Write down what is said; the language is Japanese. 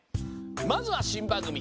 まずはしんばんぐみ